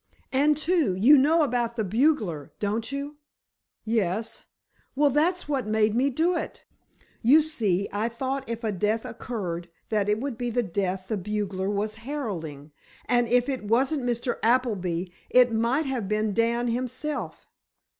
And, too, you know about the bugler, don't you?" "Yes." "Well, that's what made me do it. You see, I thought if a death occurred, that would be the death the bugler was heralding, and if it wasn't Mr. Appleby it might have been Dan himself."